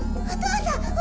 お父さん！